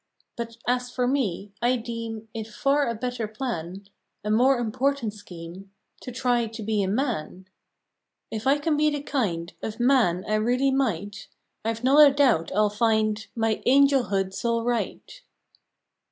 But as for me, I deem It far a better plan, A more important scheme, To try to be a MAN. If I can be the kind Of MAN I really might, I ve not a doubt I ll find My ANGELHOOD S all right.